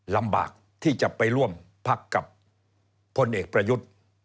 ลำบากที่จะไปร่วมพักกับพลเอกประยุทธ์